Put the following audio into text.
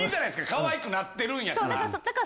可愛くなってるんやから。